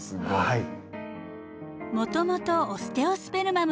はい。